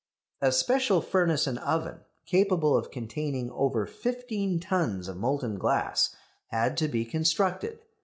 A special furnace and oven, capable of containing over fifteen tons of molten glass, had to be constructed.